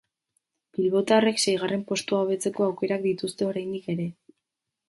Bilbotarrek seigarren postua hobetzeko aukerak dituzte oraindik ere.